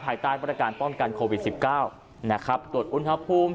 ภายใต้มาตรการป้องกันโควิดสิบเก้านะครับตรวจอุณหภูมิ